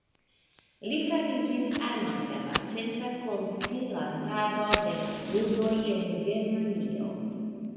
Li fariĝis ano de la Centra Koncilantaro de la Judoj en Germanio.